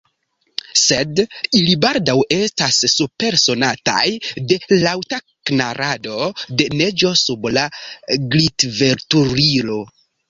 Sed ili baldaŭ estas supersonataj de laŭta knarado de neĝo sub la glitveturilo.